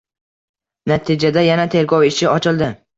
Natijada yana tergov ishi ochildi